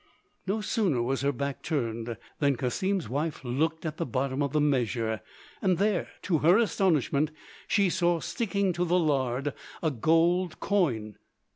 No sooner was her back turned than Cassim's wife looked at the bottom of the measure, and there to her astonishment she saw sticking to the lard a gold coin.